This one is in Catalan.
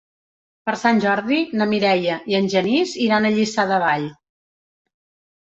Per Sant Jordi na Mireia i en Genís iran a Lliçà de Vall.